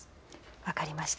分かりました。